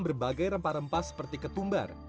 berbagai rempah rempah seperti ketumbar